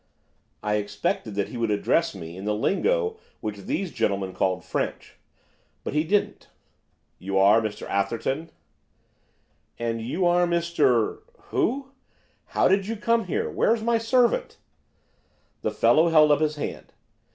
I expected that he would address me in the lingo which these gentlemen call French, but he didn't. 'You are Mr Atherton?' 'And you are Mr Who? how did you come here? Where's my servant?' The fellow held up his hand.